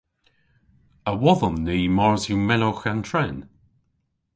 A wodhon ni mars yw menowgh an tren?